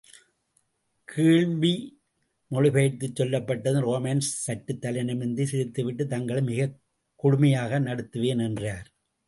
கேள்வி மொழிபெயர்த்துச் சொல்லப்பட்டதும் ரோமானஸ் சற்றுத் தலைநிமிர்ந்து சிரித்துவிட்டு தங்களை மிகக் கொடுமையாக நடத்துவேன் என்றார்.